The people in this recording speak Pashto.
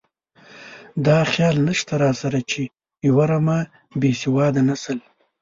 دا خیال نشته راسره چې یوه رمه بې سواده نسل.